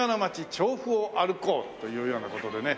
調布を歩こうというような事でね。